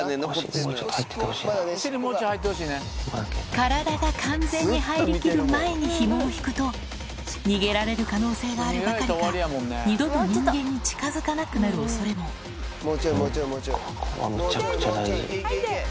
体が完全に入りきる前にヒモを引くと逃げられる可能性があるばかりか二度と人間に近づかなくなる恐れもここはむちゃくちゃ大事。